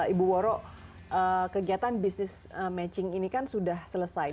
ibu woro kegiatan business matching ini kan sudah selesai